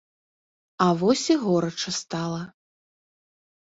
А вось і горача стала.